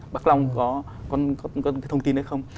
bác long có thông tin đấy không